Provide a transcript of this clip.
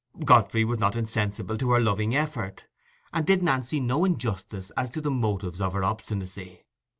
Godfrey was not insensible to her loving effort, and did Nancy no injustice as to the motives of her obstinacy.